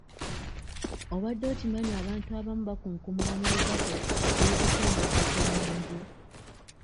Obadde okimanyi abantu abamu bakunkumula mu baketi olw'okutya endwadde z'emmanju?